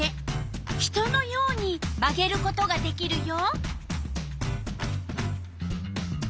人のように曲げることができるよ。